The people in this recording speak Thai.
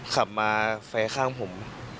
ขับมาไฟข้างผม